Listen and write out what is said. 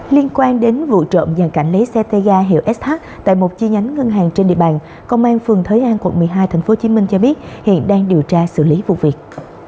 liên quan đến vụ trộm dàn cảnh lấy xe tay ga hiệu sh tại một chi nhánh ngân hàng trên địa bàn công an phường thới an quận một mươi hai tp hcm cho biết hiện đang điều tra xử lý vụ việc